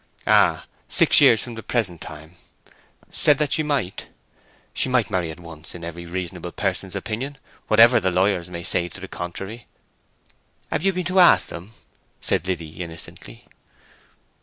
"Ah, six years from the present time. Said that she might. She might marry at once in every reasonable person's opinion, whatever the lawyers may say to the contrary." "Have you been to ask them?" said Liddy, innocently.